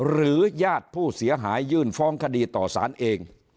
ญาติผู้เสียหายยื่นฟ้องคดีต่อสารเอง